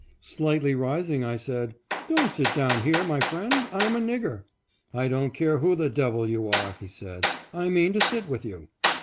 Slightly rising, I said, " Don't sit down here, my friend, I am a nigger." " I don't care who the devil you are," he said, " I mean to sit with you."